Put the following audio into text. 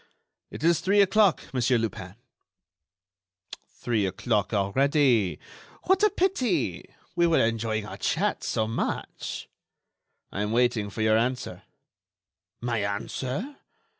"It is three o'clock, Monsieur Lupin." "Three o'clock, already? What a pity! We were enjoying our chat so much." "I am waiting for your answer." "My answer?